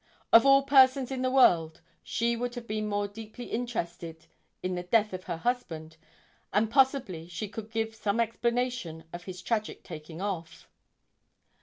Of all persons in the world, she would have been more deeply interested in the death of her husband and possibly she could give some explanation of his tragic taking off.